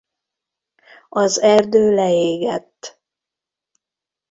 Az erdő leégett.